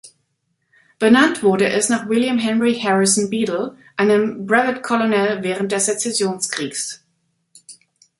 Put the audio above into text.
Benannt wurde es nach William Henry Harrison Beadle, einem Brevet Colonel während des Sezessionskriegs.